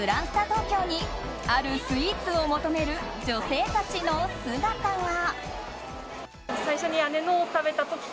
東京にあるスイーツを求める女性たちの姿が。